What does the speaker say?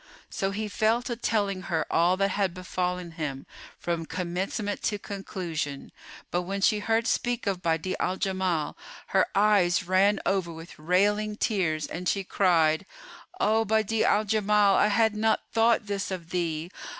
So he fell to telling her all that had befallen him from commencement to conclusion but, when she heard speak of Badi'a al Jamal, her eyes ran over with railing tears and she cried, "O Badi'a al Jamal, I had not thought this of thee!